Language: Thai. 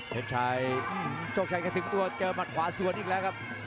เพชรชัยกระทึงตัวเจอมัดขวาส่วนอีกแล้วครับ